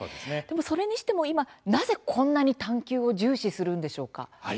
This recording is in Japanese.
それにしても今なぜ、今こんなに「探究」を重視するんでしょうか。